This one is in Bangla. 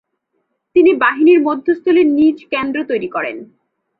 তিনি বাহিনীর মধ্যস্থলে নিজ কেন্দ্র তৈরী করেন।